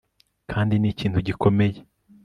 kandi ni ikintu gikomeye